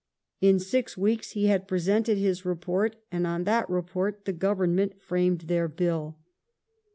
In six weeks he had presented his report, and on that report the Government framed their Bill.